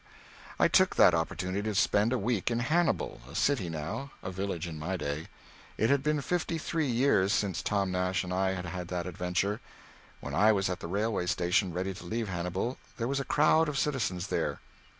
I took that opportunity to spend a week in Hannibal a city now, a village in my day. It had been fifty three years since Tom Nash and I had had that adventure. When I was at the railway station ready to leave Hannibal, there was a crowd of citizens there.